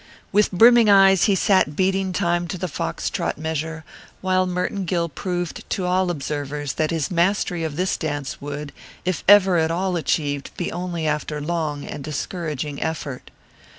With brimming eyes he sat beating time to the fox trot measure while Merton Gill proved to all observers that his mastery of this dance would, if ever at all achieved, be only after long and discouraging effort.